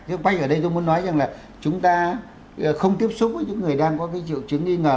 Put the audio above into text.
chứ bây giờ ở đây tôi muốn nói rằng là chúng ta không tiếp xúc với những người đang có cái triệu chứng nghi ngờ